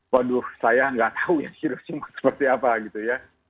waduh saya nggak tahu ya virusnya seperti apa gitu ya